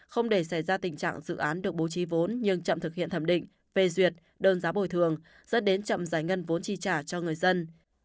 không để xảy ra tình trạng dự án được bố trí vốn nhưng chậm thực hiện thẩm định phê duyệt đơn giá bồi thường dẫn đến chậm giải ngân vốn chi trả cho người dân